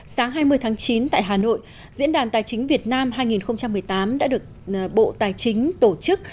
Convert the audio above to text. sáng hai mươi tháng chín tại hà nội diễn đàn tài chính việt nam hai nghìn một mươi tám đã được bộ tài chính tổ chức